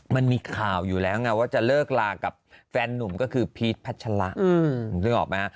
มันมีค่าวอยู่แล้วว่าจะเลิกลากับแฟนหนุ่มก็คือเพีสพัชละ